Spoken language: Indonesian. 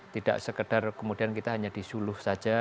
tidak sekedar kemudian kita hanya disuluh saja